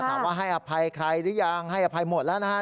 ว่าให้อภัยใครหรือยังให้อภัยหมดแล้วนะฮะ